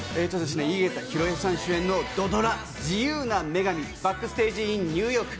井桁弘恵さん主演の土ドラ「自由な女神‐バックステージ・イン・ニューヨーク‐」。